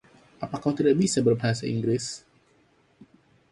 Apa kau tidak bisa berbahasa Inggris?